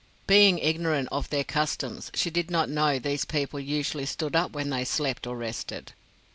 Being ignorant of their customs she did not know these people usually stood up when they slept or rested.